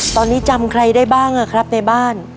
ตอนนี้จำใครได้บ้างครับในบ้าน